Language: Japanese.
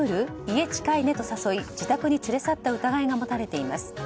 家近いねと誘い自宅に連れ去った疑いが持たれています。